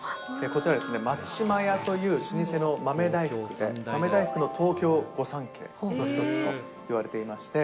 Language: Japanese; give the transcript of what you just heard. こちら、松島屋という老舗の豆大福の店、豆大福の東京御三家の一つといわれていまして。